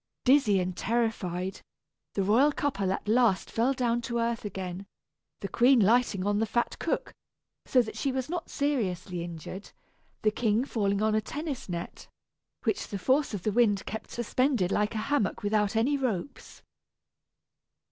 Dizzy and terrified, the royal couple at last fell down to earth again, the queen lighting on the fat cook, so that she was not seriously injured the king falling on a tennis net, which the force of the wind kept suspended like a hammock without any ropes.